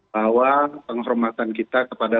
bahwa penghormatan kita kepada